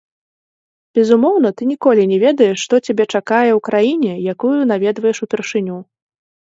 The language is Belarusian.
Безумоўна, ты ніколі не ведаеш, што цябе чакае ў краіне, якую наведваеш упершыню.